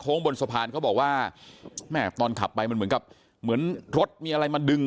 บนสะพานเขาบอกว่าแม่ตอนขับไปมันเหมือนกับเหมือนรถมีอะไรมาดึง